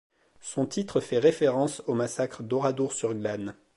Son titre fait référence au massacre d'Oradour-sur-Glane.